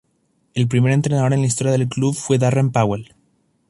El primer entrenador en la historia del club fue Darren Powell.